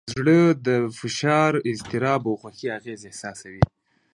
زړه د فشار، اضطراب، او خوښۍ اغېز احساسوي.